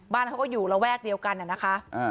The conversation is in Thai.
บ้านเขาก็อยู่ระแวกเดียวกันนะคะ